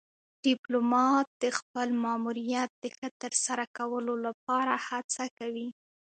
ډيپلومات د خپل ماموریت د ښه ترسره کولو لپاره هڅه کوي.